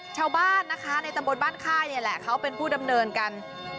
ชาวบ้านนะคะในตำบลบ้านค่ายนี่แหละเขาเป็นผู้ดำเนินกัน